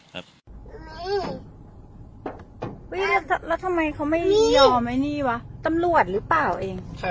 แล้วทำไมเขาไม่ยอมไอ้นี่วะตำรวจหรือเปล่าเอง